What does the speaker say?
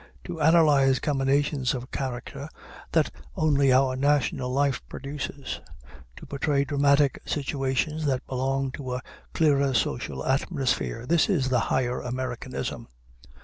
To analyze combinations of character that only our national life produces, to portray dramatic situations that belong to a clearer social atmosphere, this is the higher Americanism.